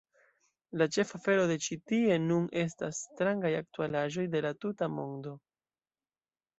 La ĉefa afero de Ĉi Tie Nun estas "strangaj aktualaĵoj de la tuta mondo.